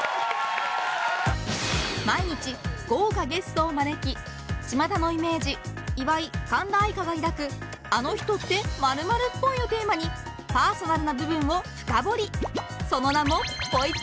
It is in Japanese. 毎日、豪華ゲストを招きちまたのイメージ岩井、神田愛花が描くあの人って○○っぽいをテーマにパーソナルな部分を深掘り。